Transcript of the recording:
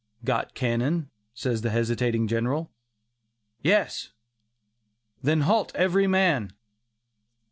"Got cannon?" says the hesitating General. "Yes." "Then halt every man."